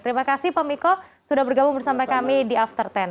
terima kasih pak miko sudah bergabung bersama kami di after sepuluh